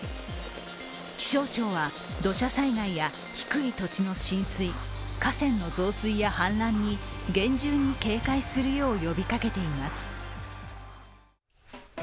気象庁は、土砂災害や低い土地の浸水、河川の増水や氾濫に厳重に警戒するよう呼びかけています。